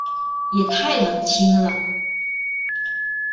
也太冷清了